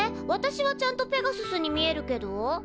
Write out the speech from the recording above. わたしはちゃんとペガススに見えるけど？